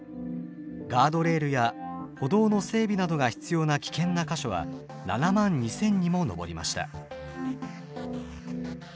ガードレールや歩道の整備などが必要な危険な箇所は７万２，０００にも上りました。